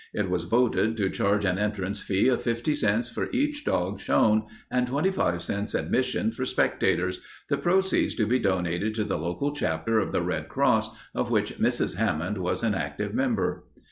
It was voted to charge an entrance fee of fifty cents for each dog shown and twenty five cents admission for spectators, the proceeds to be donated to the local chapter of the Red Cross of which Mrs. Hammond was an active member.